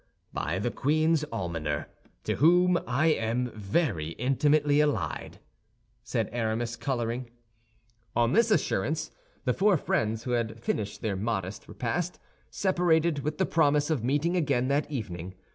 "By the queen's almoner, to whom I am very intimately allied," said Aramis, coloring. And on this assurance, the four friends, who had finished their modest repast, separated, with the promise of meeting again that evening.